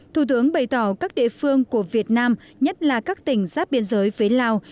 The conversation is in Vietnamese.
thủ tướng bày tỏ các địa phương của việt nam nhất là các tỉnh giáp biên giới phía lào